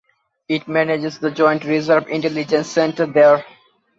It manages the Joint Reserve Intelligence Center there.